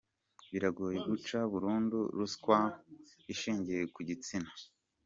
Biragoye guca burundu ruswa ishingiye ku gitsina!.